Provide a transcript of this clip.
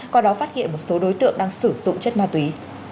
qua đó phát hiện một số đối tượng đang sử dụng chất ma túy